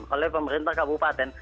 oleh pemerintah kabupaten